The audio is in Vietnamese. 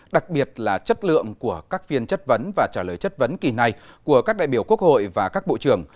đặc biệt là chất lượng của các phiên chất vấn và trả lời chất vấn kỳ này của các đại biểu quốc hội và các bộ trưởng